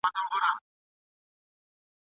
ته ښايسته يې ستا صفت خوله د هر چا كي اوسـي